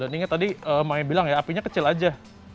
dan ini tadi maya bilang ya apinya kecil aja